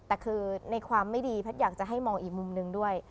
แต่คือในความไม่ดีแพทย์อยากจะให้มองอีกมุมหนึ่งด้วย